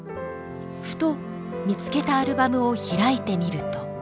ふと見つけたアルバムを開いてみると。